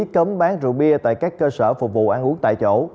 cấm bán rượu bia tại các cơ sở phục vụ ăn uống tại chỗ